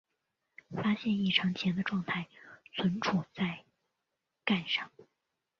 发生异常前的状态存储在栈上。